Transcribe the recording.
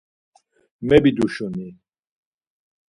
Mebiduşuni.